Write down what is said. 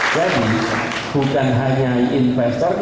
jadi bukan hanya investor